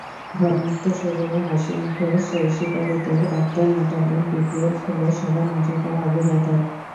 ঘর্মাক্ত শরীরে হাসিমুখে সইশিকারিদের আবদার মেটালেন বিপিএল খেলে সবার নজরকাড়া আবু হায়দার।